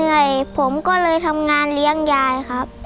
เหนื่อยผมก็เลยทำงานเลี้ยงยายครับ